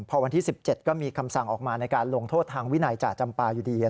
พอวันที่๑๗ก็มีคำสั่งออกมาในการลงโทษทางวินัยจ่าจำปาอยู่ดี